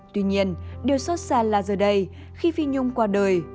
tuy nhiên điều xót xa là giờ đây khi phi nhung qua đời